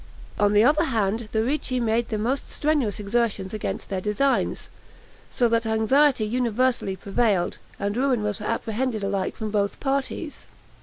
On the other hand, the Ricci made the most strenuous exertions against their designs; so that anxiety universally prevailed, and ruin was apprehended alike from both parties.